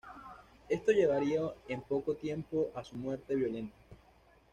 Esto llevaría en poco tiempo a su muerte violenta.